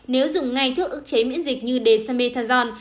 nếu dùng ngay thuốc ức chế miễn dịch như dexamethasone